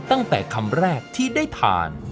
ตั้งแต่คำแรกที่ได้ทาน